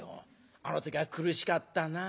あの時は苦しかったな。